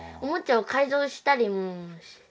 おもちゃをかいぞうしたりも。